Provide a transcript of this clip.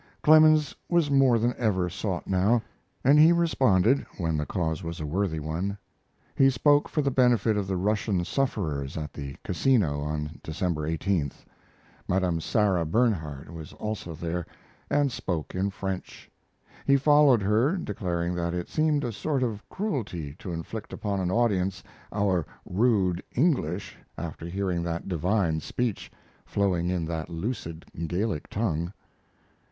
Clemens was more than ever sought now, and he responded when the cause was a worthy one. He spoke for the benefit of the Russian sufferers at the Casino on December 18th. Madame Sarah Bernhardt was also there, and spoke in French. He followed her, declaring that it seemed a sort of cruelty to inflict upon an audience our rude English after hearing that divine speech flowing in that lucid Gallic tongue.